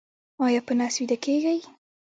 ایا په نس ویده کیږئ؟